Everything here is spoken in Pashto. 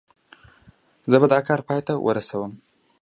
زه به دا کار پای ته ورسوم.